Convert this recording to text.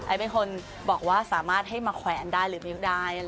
เป็นคนบอกว่าสามารถให้มาแขวนอันได้หรือมิ้วได้